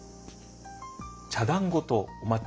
茶だんごとお抹茶。